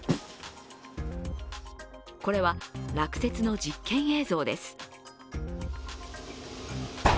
これは、落雪の実験映像です。